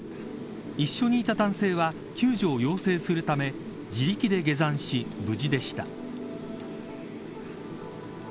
一緒にいた男性は救助を要請するため自力で下山し、無事でした。